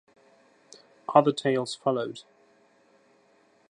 Other tales followed.